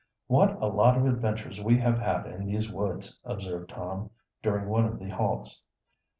"What a lot of adventures we have had in these woods," observed Tom, during one of the halts.